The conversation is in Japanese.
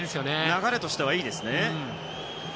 流れとしてはいいですね。